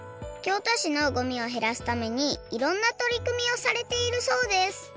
京都市のごみをへらすためにいろんなとりくみをされているそうです